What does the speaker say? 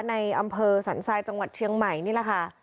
ในอำเภอสันทรายจังหวัดเชียงใหม่นี่แหละค่ะ